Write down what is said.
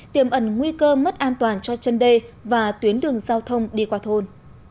tiềm ẩn nguy cơ mất an toàn cho chân đê và tuyến đường giao thông đi qua thôn